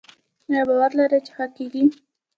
ایا باور لرئ چې ښه کیږئ؟